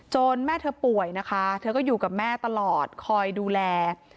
แม่เธอป่วยนะคะเธอก็อยู่กับแม่ตลอดคอยดูแล